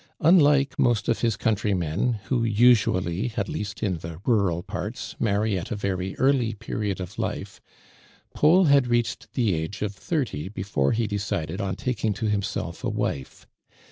Unlike most of his coun trymen, who usually, at least in the rural parts, marry at a very early period of life, Paul had reached the age of thirty before he decided on taking to himself a wife.